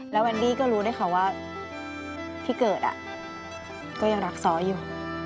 แล้วแวนดี้ก็รู้ด้วยค่ะว่าพี่เกิดก็ยังรักซ้ออยู่